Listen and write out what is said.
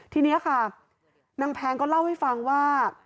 ทีนี้ค่ะนางแพงก็เล่าให้ฟังว่า